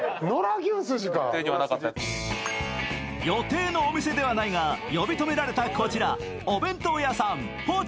予定のお店ではないが呼び止められたこちら、お弁当屋さん・